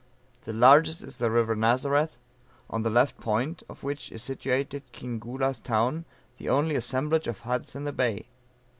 The largest is the river Nazareth on the left point of which is situated King Gula's town the only assemblage of huts in the bay.